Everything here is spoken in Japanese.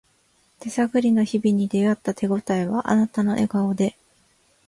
手探りの日々に出会った手ごたえはあなたの笑顔で